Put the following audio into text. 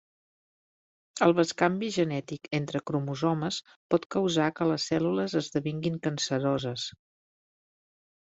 El bescanvi genètic entre cromosomes pot causar que les cèl·lules esdevinguin canceroses.